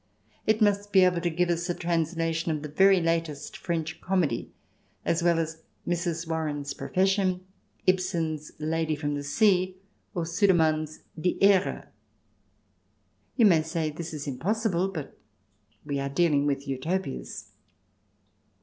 It must be able to give us a translation of the very latest French comedy as well as " Mrs. Warren's Profession," Ibsen's " Lady from the Sea," or Sudermann's " Die Ehre." You may say this is impossible. But we are dealing with Utopias.